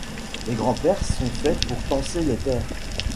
Les grands-pères sont faits pour tancer les pères.